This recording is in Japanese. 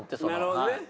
なるほどね。